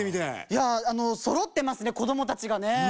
いやあのそろってますね子どもたちがね。